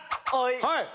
はい！